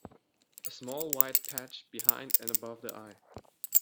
A small white patch behind and above the eye.